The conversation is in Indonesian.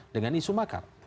dengan isu makar